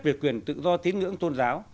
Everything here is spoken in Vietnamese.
về quyền tự do tín ngưỡng tôn giáo